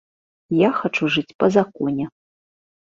Я хачу жыць па законе.